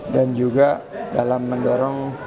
dan juga dalam mendorong